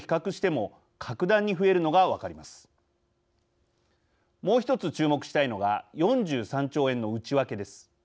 もう一つ注目したいのが４３兆円の内訳です。